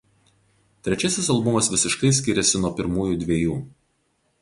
Trečiasis albumas visiškai skiriasi nuo pirmųjų dviejų.